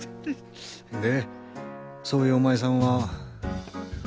でそういうおまいさんは。